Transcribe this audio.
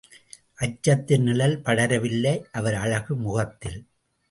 அச்சத்தின் நிழல் படரவில்லை அவர் அழகு முகத்தில்.